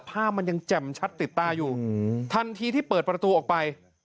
ภาพมันยังแจ่มชัดติดตาอยู่ทันทีที่เปิดประตูออกไป